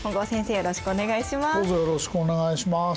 よろしくお願いします。